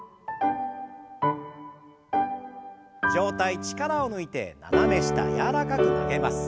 上体力を抜いて斜め下柔らかく曲げます。